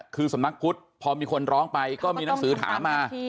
คือสำนักพุทธพอมีคนร้องไปก็มีหนังสือถามมา